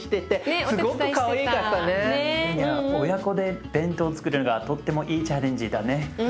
親子で弁当つくるのがとってもいいチャレンジだね。